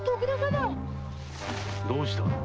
どうした？